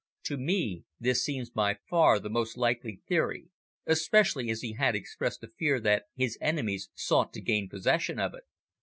To me, this seems by far the most likely theory, especially as he had expressed a fear that his enemies sought to gain possession of it."